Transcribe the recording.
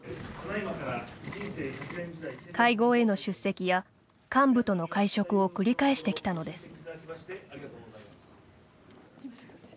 会合への出席や幹部との会食を繰り返してきたのです。